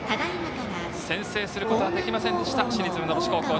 先制することはできませんでした市立船橋高校。